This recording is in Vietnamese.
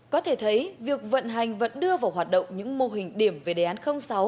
có thể thấy việc vận hành và đưa vào hoạt động những mô hình điểm về đề án sáu